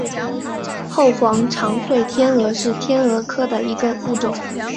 后黄长喙天蛾是天蛾科的一个物种。